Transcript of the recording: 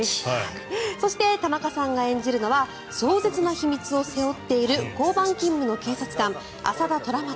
そして田中さんが演じるのは壮絶な秘密を背負っている交番勤務の警察官、朝田虎松